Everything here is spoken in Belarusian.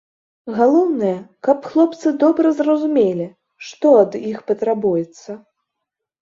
Галоўнае, каб хлопцы добра зразумелі, што ад іх патрабуецца.